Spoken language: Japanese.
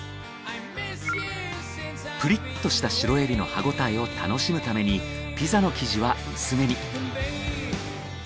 プリッとしたシロエビの歯ごたえを楽しむためにピザの生地は薄めに。